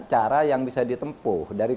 cara yang bisa ditempuh dari